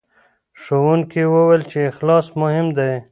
ښوونکي وویل چې اخلاص مهم دی.